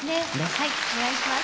はいお願いします。